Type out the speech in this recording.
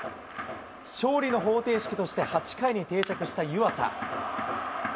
勝利の方程式として８回に定着した湯浅。